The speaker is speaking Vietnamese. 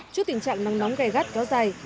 trước tình trạng nắng nóng gai gắt kéo dài